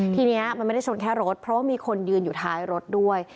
ทีนี้มันไม่ได้ชนแค่รถเพราะว่ามีคนยืนอยู่ท้ายรถด้วย